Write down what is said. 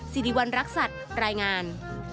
สิริวัณรักษัตรายงาน